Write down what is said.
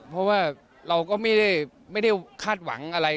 เพราะว่าเราก็ไม่ได้คาดหวังอะไร